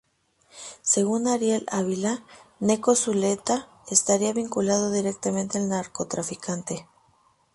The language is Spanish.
Según Ariel Ávila, Gnecco Zuleta estaría vinculado directamente al narcotraficante.